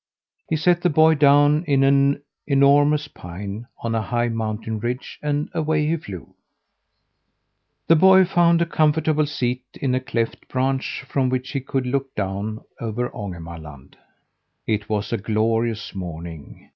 He set the boy down in an enormous pine on a high mountain ridge, and away he flew. The boy found a comfortable seat in a cleft branch from which he could look down over Ångermanland. It was a glorious morning!